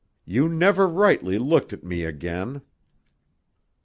You never rightly looked at me again."